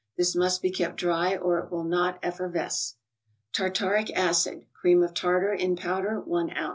This must be kept dry or it will not effervesce. Tartaric acid (cream of tartar) in powder, i oz.